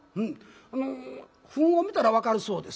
あのフンを見たら分かるそうです。